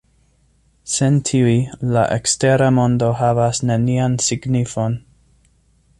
Sen tiuj, la ekstera mondo havas nenian signifon.